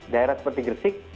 daerah seperti gresik